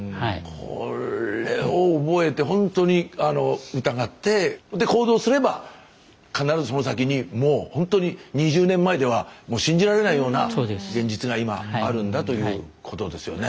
これを覚えてほんとに疑って行動すれば必ずその先にもうほんとに２０年前では信じられないような現実が今あるんだということですよね。